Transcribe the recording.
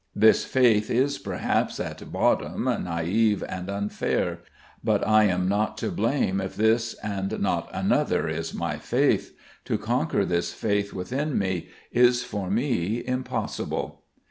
This faith is, perhaps, at bottom naive and unfair, but I am not to blame if this and not another is my faith. To conquer this faith within me is for me impossible.